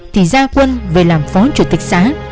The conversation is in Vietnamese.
thì ra quân về làm phó chủ tịch xã